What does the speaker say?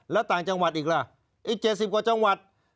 แล้วต่างจังหวัดอีกล่ะอีก๗๐กว่าจังหวัด